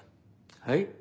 はい？